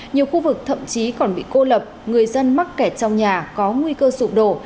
nhiều khu vực thậm chí còn bị cô lập người dân mắc kẹt trong nhà có nguy cơ sụp đổ